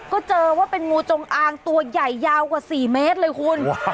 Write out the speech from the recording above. ก็เจอว่าเป็นงูจงอางตัวใหญ่ยาวกว่า๔เมตรเลยคุณ